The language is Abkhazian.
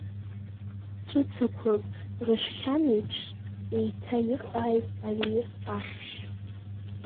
Ҵәыцақәак рыжәхьанеиԥш, еиҭаирҟааит ари ахьшь.